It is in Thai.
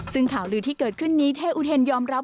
ซึ่งข่าวลือที่เกิดขึ้นนี้เท่อุเทนยอมรับ